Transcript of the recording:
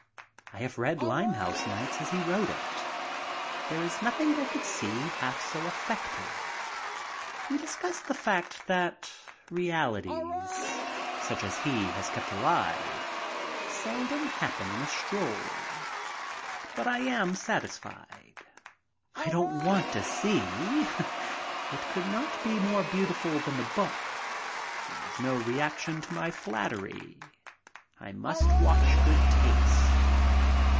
I have read "Lime house Nights" as he wrote it. There is nothing I could see half so effective. We discuss the fact that realities such as he has kept alive seldom happen in a stroll, but I am satisfied. I don't want to see. It could not be more beautiful than the book. There is no reaction to my flattery. I must watch good taste.